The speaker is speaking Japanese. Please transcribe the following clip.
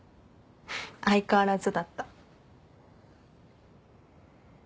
相変わらずだった。